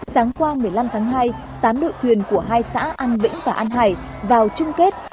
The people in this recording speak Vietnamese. sáng qua một mươi năm tháng hai tám đội thuyền của hai xã an vĩnh và an hải vào chung kết